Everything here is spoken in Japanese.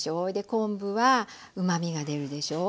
昆布はうまみが出るでしょう？